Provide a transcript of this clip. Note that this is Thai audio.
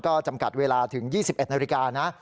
ก็จำกัดเวลาถึง๒๑นาฬิกานะ